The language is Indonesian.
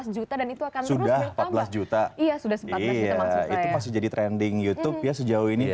empat belas juta dan itu akan sudah empat belas juta iya sudah sebagian masih jadi trending youtube sejauh ini